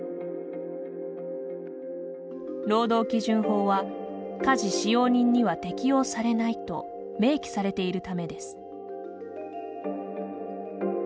労働基準法は家事使用人には適用されないと明記されているためです。